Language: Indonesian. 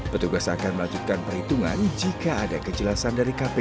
petugas akan melanjutkan perhitungan jika ada kejelasan dari kpk